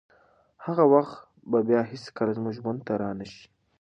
هغه وخت به بیا هیڅکله زموږ ژوند ته رانشي.